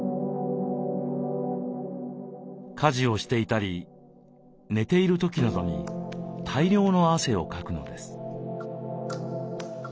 家事をしていたり寝ている時などに大量の汗をかくのです。